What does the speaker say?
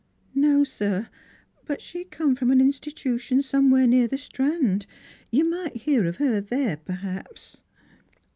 "No, sir. But she came from an institution somewhere near the Strand. You might hear of her perhaps there."